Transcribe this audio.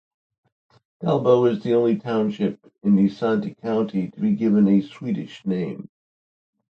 Dalbo is the only township in Isanti County to be given a Swedish name.